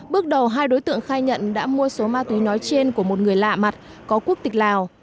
bước đầu hai đối tượng khai nhận đã mua số ma túy nói trên của một người lạ mặt có quốc tịch lào